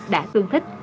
đã tương thích